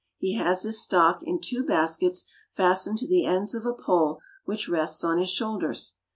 He has his stock in two baskets fastened to the ends of a pole which rests on his shoulders.